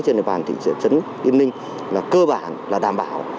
trên địa bàn thị trấn yên ninh là cơ bản là đảm bảo